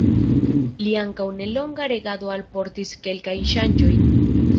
Lia ankaŭ nelonga regado alportis kelkajn ŝanĝojn.